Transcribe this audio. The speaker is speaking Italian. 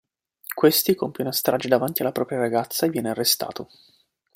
Questi compie una strage davanti alla propria ragazza e viene arrestato.